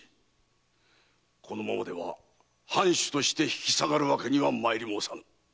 このままでは藩主として引き下がるわけにはまいらぬ。